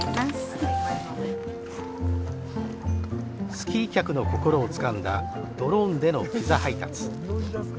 スキー客の心をつかんだドローンでのピザ配達。